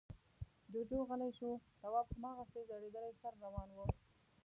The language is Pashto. جُوجُو غلی شو. تواب هماغسې ځړېدلی سر روان و.